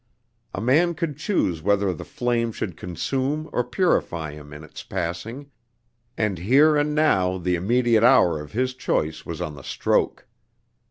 A man could choose whether the flame should consume or purify him in its passing; and here and now the immediate hour of his choice was on the stroke.